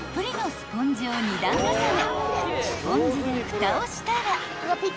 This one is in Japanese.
［スポンジでふたをしたら］